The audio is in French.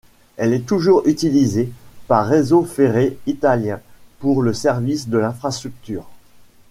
Elle est toujours utilisée par Réseau ferré italien pour le service de l'infrastructure.